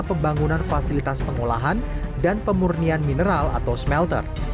pembangunan fasilitas pengolahan dan pemurnian mineral atau smelter